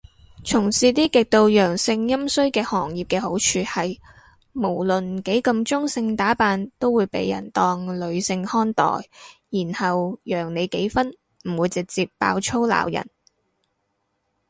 從事啲極度陽盛陰衰嘅行業嘅好處係，無論幾咁中性打扮都會被人當女性看待，然後讓你幾分唔會直接爆粗鬧人